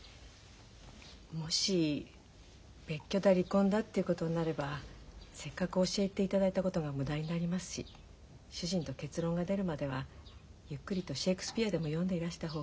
もし別居だ離婚だっていうことになればせっかく教えていただいたことが無駄になりますし主人と結論が出るまではゆっくりとシェークスピアでも読んでいらした方が。